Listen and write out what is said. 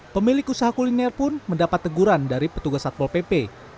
pemilik usaha kuliner pun mendapat teguran dari petugas satpol pp